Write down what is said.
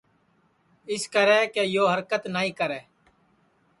اِسکرے کہ یو ہرکت نائی کرے